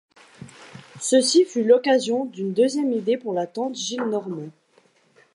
Ceci fut l'occasion d'une deuxième idée pour la tante Gillenormand.